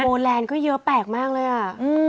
แลนด์ก็เยอะแปลกมากเลยอ่ะ